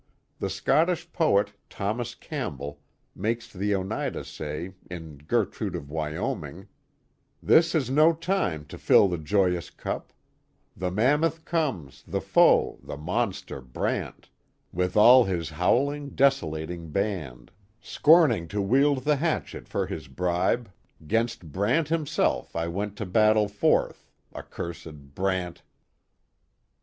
The Scot tish poet, Thomas Campbell, makes the Oneida say, in Ger trude of Wyoming: The Joseph Brant of Romance and of Fact 273 This is no time to fill the joyous cup; The mammoth comes — the foe — the monster Brant, With all his howling, desolating band. Scorning to wield the hatchet for his bribe, 'Gainst Brant himself I went to battle forth, — Accursed Brant.